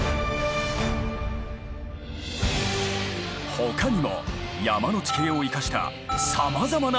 他にも山の地形を生かしたさまざまな仕掛けが！